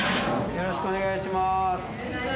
よろしくお願いします。